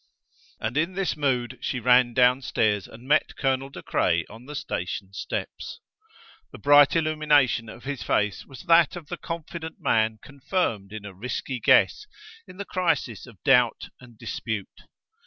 And in this mood she ran down stairs and met Colonel De Craye on the station steps. The bright illumination of his face was that of the confident man confirmed in a risky guess in the crisis of doubt and dispute.